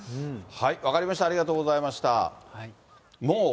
分かりました、ありがとうございました。